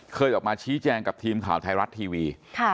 เคยออกมาชี้แจงกับทีมข่าวไทยรัฐทีวี